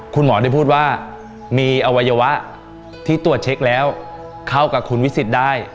คุณหมอได้พูดว่ามีอวัยวะที่ตรวจเช็คแล้วเข้ากับคุณวิสิทธิ์ได้